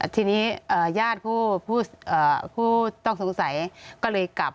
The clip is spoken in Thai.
ทีนี้ญาติผู้ต้องสงสัยก็เลยกลับ